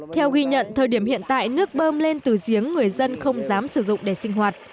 theo ghi nhận thời điểm hiện tại nước bơm lên từ giếng người dân không dám sử dụng để sinh hoạt